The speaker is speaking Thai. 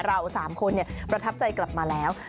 เรา๓คนประทับใจกลับมาแล้ว